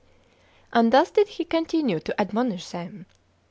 8. And thus did he continue to admonish them.